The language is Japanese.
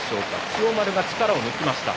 千代丸が力を抜きました。